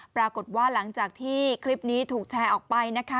ปรากฏว่าหลังจากที่คลิปนี้ถูกแชร์ออกไปนะคะ